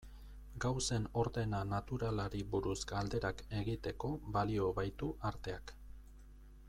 Gauzen ordena naturalari buruz galderak egiteko balio baitu arteak.